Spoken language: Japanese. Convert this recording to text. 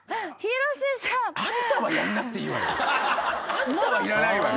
あんたはいらないわよ。